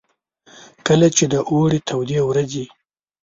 کله چې د اوړې تودې ورځې.